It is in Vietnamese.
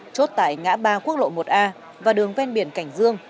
chốt tại ngã ba quốc lộ một a và đường ven biển cảnh dương